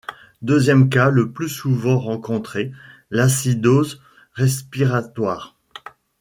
Deuxième cas le plus souvent rencontré, l'acidose respiratoire.